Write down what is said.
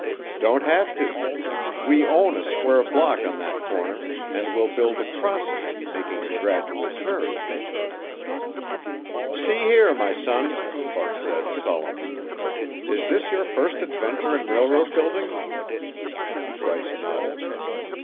"Don't have to. We own a square block on that corner, and we'll build across it, making a gradual turn." "See here, my son," Buck said solemnly, "is this your first adventure in railroad building?" Bryce nodded.